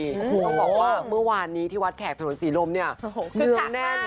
ต้องบอกว่าเมื่อวานที่หวัดแขกถนนสีล่มเนื่องแน่น